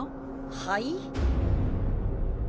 はい？